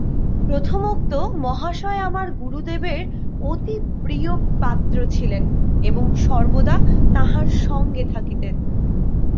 প্রথমোক্ত মহাশয় আমার গুরুদেবের অতি প্রিয়পাত্র ছিলেন এবং সর্বদা তাঁহার সঙ্গে থাকিতেন।